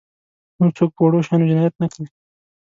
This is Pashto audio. نور څوک په وړو شیانو جنایت نه کوي.